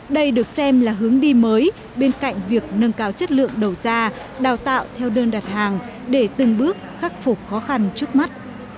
đây được xem là hướng đi mới bên cạnh việc nâng cao chất lượng đầu ra đào tạo theo đơn đặt hàng để từng bước khắc phục khó khăn trước mắt